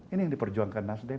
ini yang diperjuangkan nasdem